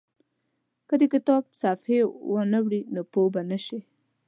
که د کتاب صفحې وانه ړوئ پوه به نه شئ.